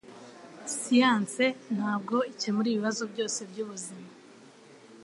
Siyanse ntabwo ikemura ibibazo byose byubuzima